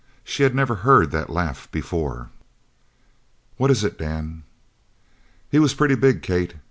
She had never heard that laugh before. "What is it, Dan?" "He was pretty big, Kate.